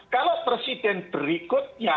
kalau presiden berikutnya